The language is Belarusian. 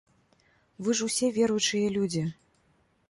Вы ж усе веруючыя людзі!